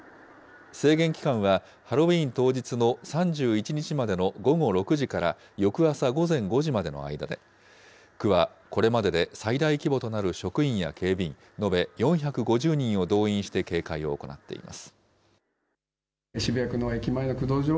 制限期間はハロウィーン当日の３１日までの午後６時から翌朝午前５時までの間で、区はこれまでで最大規模となる職員や警備員延べ４５０人を動員して警戒を行っています。